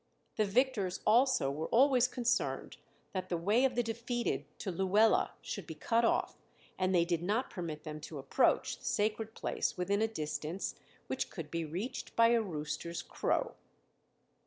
The victors also were always concerned that the way of the defeated to Luela should be cut off and they did not permit them to approach the sacred place within a distance which could be reached by a rooster's crow.